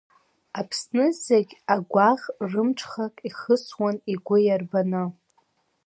Аԥсны зегь агәаӷ рымҽхак ихысуан игәы иарбаны.